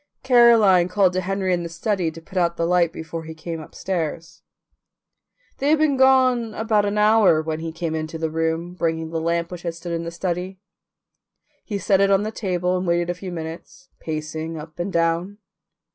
Caroline called to Henry in the study to put out the light before he came upstairs. They had been gone about an hour when he came into the room bringing the lamp which had stood in the study. He set it on the table and waited a few minutes, pacing up and down.